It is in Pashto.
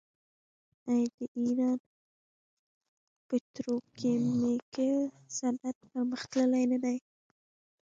آیا د ایران پتروکیمیکل صنعت پرمختللی نه دی؟